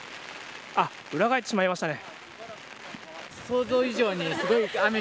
裏返ってしまいましたね。